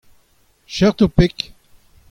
Serrit ho peg.